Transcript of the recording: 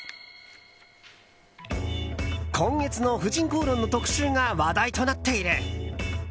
今月の「婦人公論」の特集が話題となっている。